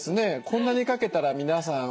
こんなにかけたら皆さんおしょうゆ